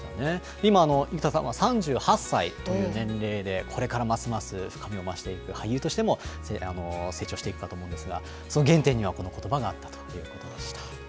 今、生田さんは３８歳という年齢で、これからますます深みを増していく、俳優としても成長していくかと思うんですが、その原点にはこのことばがあったということでした。